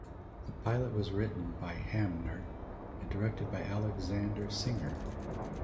The pilot was written by Hamner and directed by Alexander Singer.